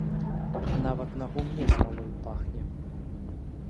Нават на гумне смалою пахне.